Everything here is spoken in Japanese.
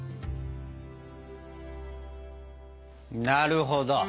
なるほど！